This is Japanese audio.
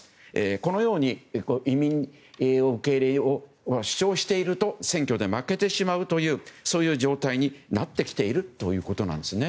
このように、移民受け入れを主張していると選挙では負けてしまうというそういう状態になってきているということですね。